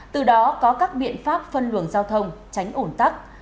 từ đó có các biện pháp phân luồng giao thông tránh ủn tắc